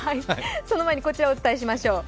その前にこちらをお伝えしましょう。